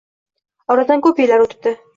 Oradan ko’p yillar o’tibdi.